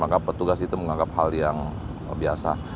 maka petugas itu menganggap hal yang biasa